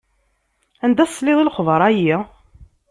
Anda tesliḍ i lexber-ayi?